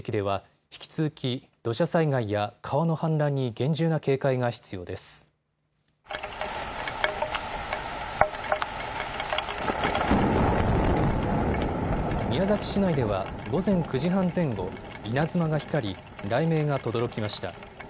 宮崎市内では午前９時半前後、稲妻が光り雷鳴がとどろきました。